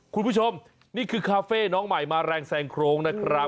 คุณผู้ชมนี่คือคาเฟ่น้องใหม่มาแรงแซงโครงนะครับ